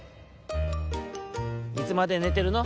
「いつまでねてるの？